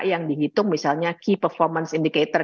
yang dihitung misalnya key performance indicator